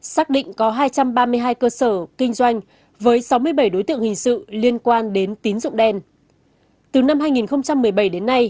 xác định có hai trăm ba mươi hai cơ sở kinh doanh với sáu mươi bảy đối tượng hình sự liên quan đến tín dụng đen